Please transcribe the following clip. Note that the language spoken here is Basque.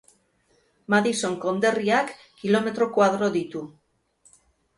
Madison konderriak kilometro koadro ditu.